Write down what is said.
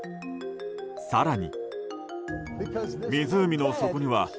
更に。